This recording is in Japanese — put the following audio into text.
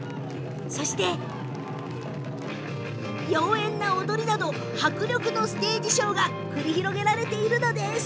そして、妖艶な踊りなど迫力のステージショーが繰り広げられているのです。